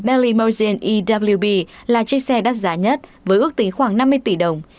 bentley merchant ewb là chiếc xe đắt giá nhất với ước tính khoảng năm mươi tỷ đồng